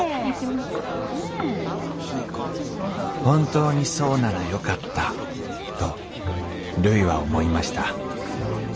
本当にそうならよかったとるいは思いました。